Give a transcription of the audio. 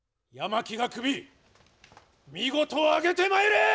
山木が首、見事あげてまいれ！